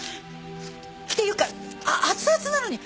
っていうか熱々なのに。